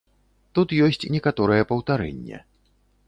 Тут ёсць некаторае паўтарэнне.